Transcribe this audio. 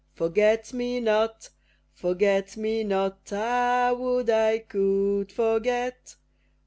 Forget me not! Forget me not! Ah! would I could forget!